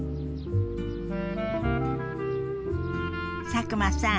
佐久間さん